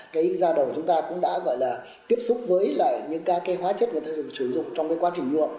cái da đầu của chúng ta cũng đã gọi là tiếp xúc với lại những các cái hóa chất mà ta sử dụng trong cái quá trình nhuộm